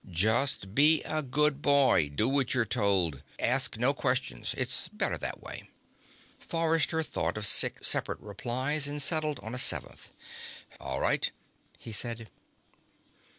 "Just be a good boy. Do what you're told. Ask no questions. It's better that way." Forrester thought of six separate replies and settled on a seventh. "All right," he said.